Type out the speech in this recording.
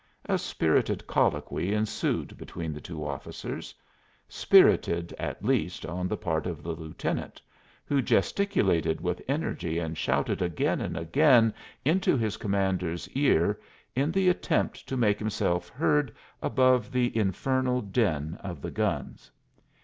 A spirited colloquy ensued between the two officers spirited, at least, on the part of the lieutenant, who gesticulated with energy and shouted again and again into his commander's ear in the attempt to make himself heard above the infernal din of the guns.